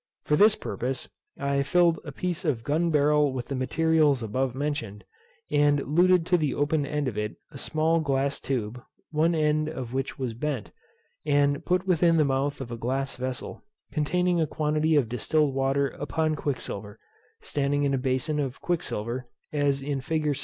For this purpose I filled a piece of a gun barrel with the materials above mentioned, and luted to the open end of it a small glass tube, one end of which was bent, and put within the mouth of a glass vessel, containing a quantity of distilled water upon quicksilver, standing in a bason of quicksilver, as in fig.